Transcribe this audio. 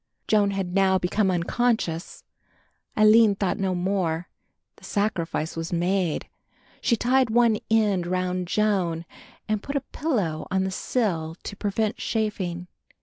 Joan had now become unconscious. Aline thought no more; the sacrifice was made; she tied one end round Joan and put a pillow on the sill to prevent chafing.